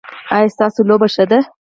ایا ستاسو لوبه ښه ده؟